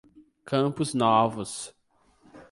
Campos Novos